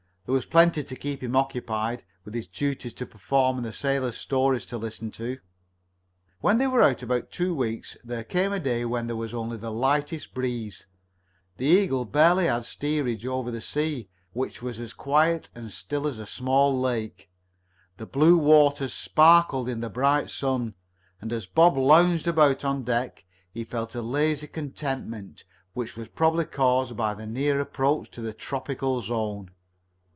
There was plenty to keep him occupied, with his duties to perform and sailors' stories to listen to. When they were out about two weeks there came a day when there was only the lightest breeze, The Eagle barely had steerageway over the sea, which was as quiet and still as a small lake. The blue waters sparkled in the bright sun, and as Bob lounged about on deck he felt a lazy contentment which was probably caused by the near approach to the tropical zone.